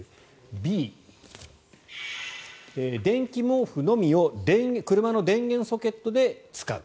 Ｂ、電気毛布のみを車の電源ソケットで使う。